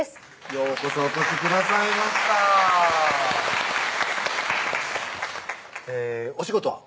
ようこそお越しくださいましたお仕事は？